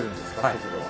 速度は。